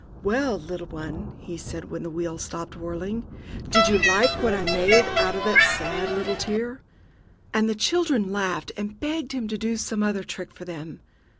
"Well, little one," he said, when the wheel stopped whirling, "did you like what I made out of that sad little tear?" And the children laughed, and begged him to do some other trick for them.